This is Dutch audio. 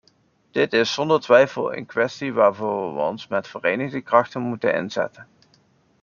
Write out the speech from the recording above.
Dit is zonder twijfel een kwestie waarvoor we ons met vereende krachten moeten inzetten.